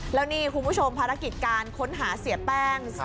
แล้วนี่คุณผู้ชมภารกิจการค้นหาเสียแป้ง